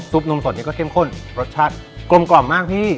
นมสดนี้ก็เข้มข้นรสชาติกลมกล่อมมากพี่